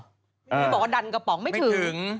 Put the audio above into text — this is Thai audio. ที่บอกว่าดันกระป๋องไม่ถึง